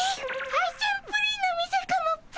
アイちゃんプリンの店かもっピ！